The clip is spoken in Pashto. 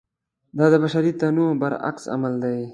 دا د بشري تنوع برعکس عمل دی.